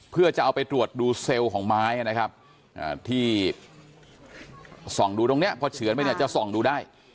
เพื่อจะเอาไปตรวจดูเซลล์ของไม้นะครับที่ส่องดูตรงนี้พอเฉือนไปเนี่ยจะส่องดูได้